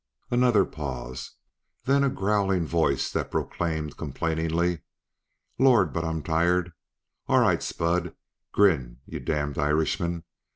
Another pause; then a growling voice that proclaimed complainingly: "Lord, but I'm tired! All right, Spud; grin, you damned Irishman!